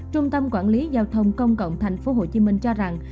trung tâm quản lý giao thông công cộng tp hcm cho rằng